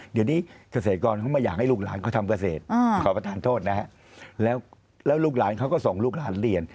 เดี๋ยวนี้เกษตรกรเขาไม่อยากให้ลูกหลานเขาทำเกษตรขอประทานโทษนะฮะแล้วลูกหลานเขาก็ส่งลูกหลานเรียน